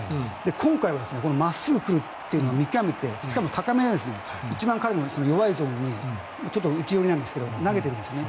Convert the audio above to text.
今回は真っすぐが来るのを見極めてしかも高めで一番彼の弱いゾーンに内寄りなんですけど投げているんですね。